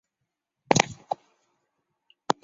国际民主和选举援助学会为联合国观察员。